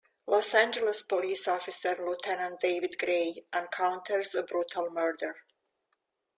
Los Angeles police officer Lieutenant David Grey encounters a brutal murder.